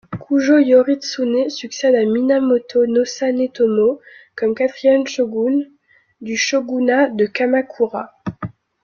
Kujō Yoritsune succède à Minamoto no Sanetomo comme quatrième shogun du shogunat de Kamakura.